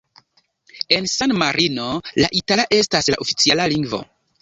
En San-Marino la itala estas la oficiala lingvo.